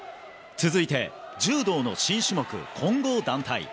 続いて、柔道の新種目混合団体。